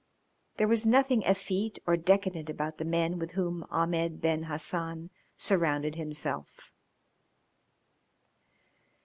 There was nothing effete or decadent about the men with whom Ahmed Ben Hassan surrounded himself.